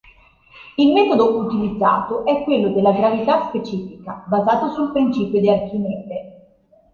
Il metodo utilizzato è quello della gravità specifica, basato sul principio di Archimede.